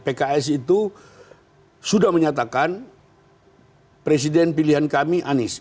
pks itu sudah menyatakan presiden pilihan kami anies